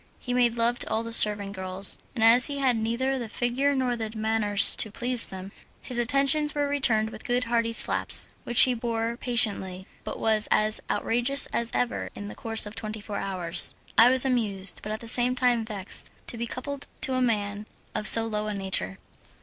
He made love to all the servant girls, and as he had neither the figure nor the manners to please them, his attentions were returned with good hearty slaps, which he bore patiently, but was as outrageous as ever in the course of twenty four hours. I was amused, but at the same time vexed to be coupled to a man of so low a nature.